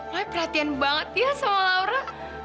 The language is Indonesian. lo perhatian banget ya sama laura